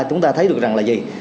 chúng ta thấy được rằng là gì